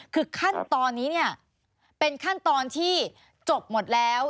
คือขั้นตอนนี้เนี่ยเป็นขั้นตอนที่จบหมดแล้ว